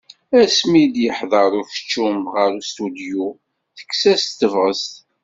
Asmi d-yeḥḍeṛ ukeččum γer ustudyu tekkes-as-tt tebγest.